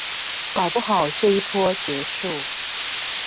搞不好這一波結束